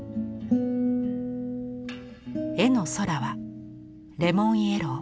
絵の空はレモンイエロー。